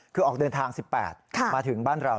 คือออกเดินทาง๑๘มาถึงบ้านเรา